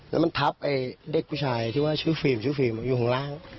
มันถับเด็กผู้ชายที่ชื่อฟิล์มอยู่หรอล่าง